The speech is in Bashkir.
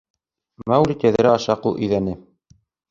— Маугли тәҙрә аша ҡул иҙәне.